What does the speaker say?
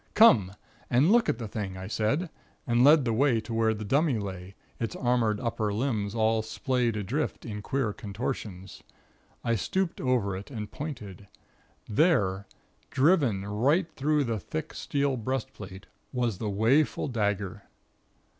"Come and look at the thing," I said, and led the way to where the dummy lay, its armored upper limbs all splayed adrift in queer contortions. I stooped over it and pointed. There, driven right through the thick steel breastplate, was the 'waeful dagger.'